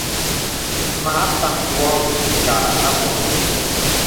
Mə a paŋ wɔ ngàrà à bɔ̄.